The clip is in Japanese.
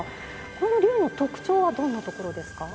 この龍の特徴はどんなところですか？